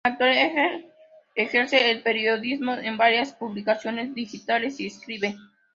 En la actualidad ejerce el periodismo en varias publicaciones digitales y escribe.